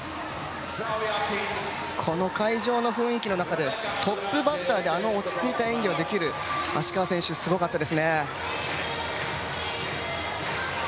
この会場の雰囲気の中でトップバッターであの落ち着いた演技ができる芦川選手はすごかったですね。